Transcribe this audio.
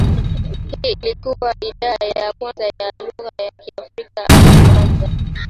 Hii ilikua idhaa ya kwanza ya lugha ya Kiafrika kuanzisha